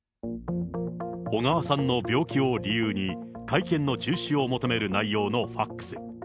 小川さんの病気を理由に、会見の中止を求める内容のファックス。